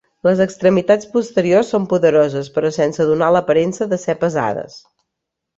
Les extremitats posteriors són poderoses però sense donar l'aparença de ser pesades.